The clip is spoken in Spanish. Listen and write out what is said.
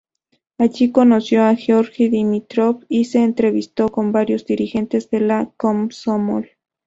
Allí conoció a Georgi Dimitrov, y se entrevistó con varios dirigentes de las Komsomol.